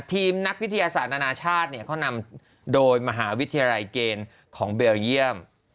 ทีมนักวิทยาศาสตร์นานาชาติเขานำโดยมหาวิทยาลัยเกณฑ์ของเบลเยี่ยม